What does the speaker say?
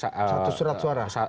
satu surat suara